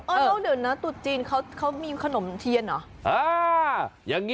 เบอร์เณียบนะตรุษจีนเขามีขนมเทียนหรอ